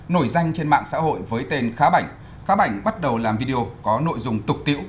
nổi danh trên mạng xã hội với tên khá bảnh khá bảnh bắt đầu làm video có nội dung tục tiễu